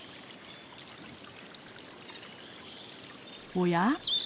おや？